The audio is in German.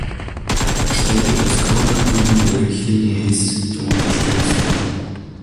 Ich denke, das Grundanliegen der Richtlinie ist zu unterstützen.